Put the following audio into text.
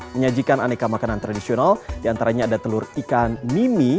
menyajikan aneka makanan tradisional diantaranya ada telur ikan mimi